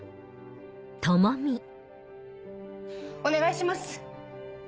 お願いします！